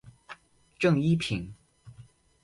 正一品。